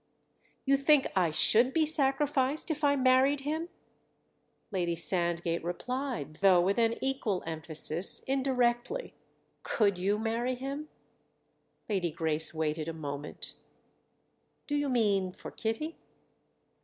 "You think I should be sacrificed if I married him?" Lady Sandgate replied, though with an equal emphasis, indirectly. "Could you marry him?" Lady Grace waited a moment "Do you mean for Kitty?"